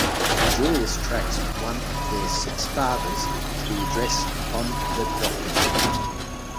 Julius tracks one of their six fathers to the address on the document.